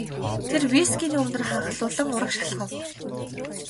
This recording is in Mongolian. Тэр вискиний үнэр ханхлуулан урагш алхав.